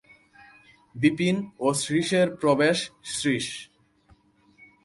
বিপিন ও শ্রীশের প্রবেশ শ্রীশ।